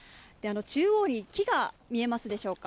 中央に木が見えますでしょうか。